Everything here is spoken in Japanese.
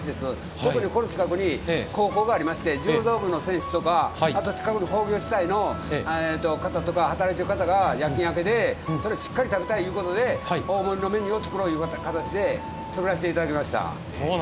特にこの近くに高校がありまして柔道部の選手とかあと近くの工業地帯の働いている方が夜勤明けでしっかり食べたいということで大盛りのメニューを作ろうということで作らせていただきました。